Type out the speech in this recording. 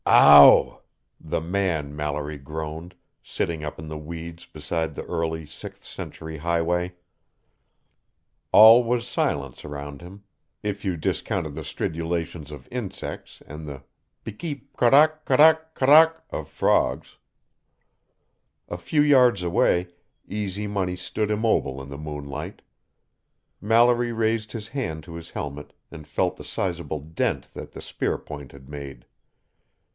"Ow!" the man Mallory groaned, sitting up in the weeds beside the early sixth century highway. All was silence around him, if you discounted the stridulations of insects and the be ke korak korak korak of frogs. A few yards away, Easy Money stood immobile in the moonlight. Mallory raised his hand to his helmet and felt the sizable dent that the spearpoint had made.